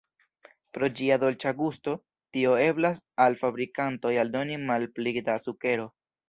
Pro ĝia dolĉa gusto, tio eblas al fabrikantoj aldoni malpli da sukero.